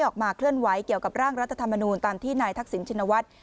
ออกมาเคลื่อนไหวเกี่ยวกับร่างรัฐธรรมนูลตามที่นายทักษิณชินวัฒน์